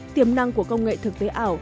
tiềm năng của công nghệ thực tế ảo